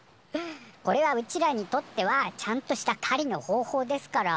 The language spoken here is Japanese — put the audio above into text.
これはうちらにとってはちゃんとしたかりの方法ですから。